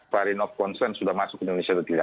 varian of concern sudah masuk ke indonesia atau tidak